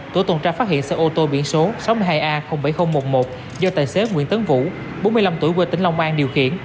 tổ tuần tra phát hiện xe ô tô biển số sáu mươi hai a bảy nghìn một mươi một do tài xế nguyễn tấn vũ bốn mươi năm tuổi quê tỉnh long an điều khiển